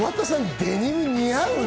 デニム似合うね。